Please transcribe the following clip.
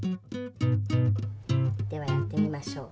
ではやってみましょう。